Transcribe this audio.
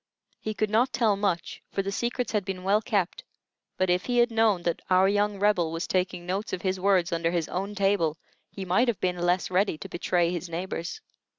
He could not tell much, for the secrets had been well kept; but if he had known that our young Rebel was taking notes of his words under his own table, he might have been less ready to betray his neighbors.